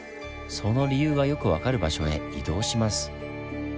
その理由がよく分かる場所へ移動します。